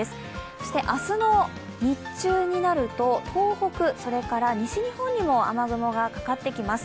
そして明日の日中になると東北それから西日本にも雨雲がかかってきます。